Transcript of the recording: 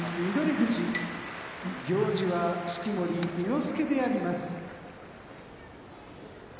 富士行司は式守伊之助であります。